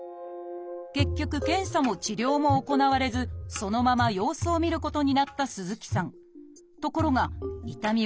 結局検査も治療も行われずそのまま様子を見ることになった鈴木さん。